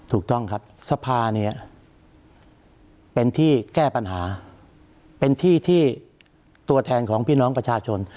ถูกต้องครับสภาเนี่ยเป็นที่แก้ปัญหาเป็นที่ที่ตัวแทนของพี่น้องประชาชน